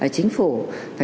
chính phủ phải